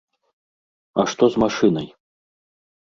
А што з машынай?